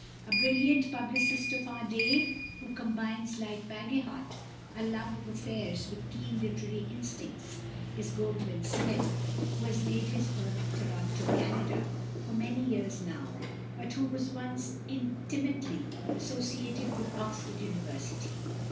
A brilliant publicist of our day, who combines, like Bagehot, a love of affairs with keen literary instincts, is =Goldwin Smith (1823 )=, who has made his home in Toronto, Canada, for many years now, but who was once intimately associated with Oxford University.